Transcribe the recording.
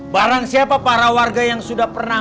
barang siapa para warga yang sudah pernah